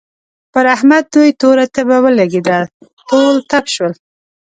پر احمد دوی توره تبه ولګېده؛ ټول تپ شول.